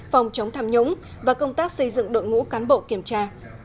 phòng chống tham nhũng và công tác xây dựng đội ngũ cán bộ kiểm tra